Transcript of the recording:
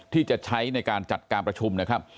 ที่จะใช้ในการจัดการประชุมนะครับ